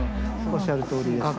おっしゃるとおりです。